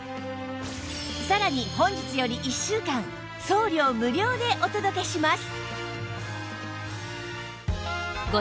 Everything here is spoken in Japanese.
さらに本日より１週間送料無料でお届けします